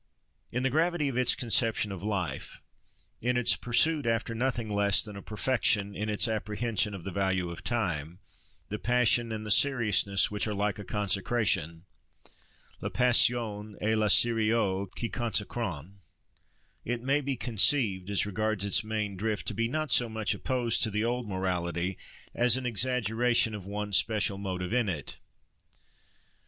In the gravity of its conception of life, in its pursuit after nothing less than a perfection, in its apprehension of the value of time—the passion and the seriousness which are like a consecration—la passion et le sérieux qui consacrent—it may be conceived, as regards its main drift, to be not so much opposed to the old morality, as an exaggeration of one special motive in it.